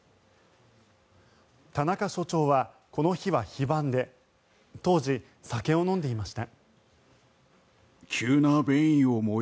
田中署長はこの日は非番で当時、酒を飲んでいました。